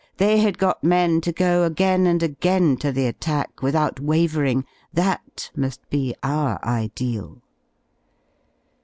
They had got men to go again and again to the | attack without wavering; that mu§l be our ideal.